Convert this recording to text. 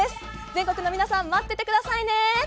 全国の皆さん待っていてくださいね！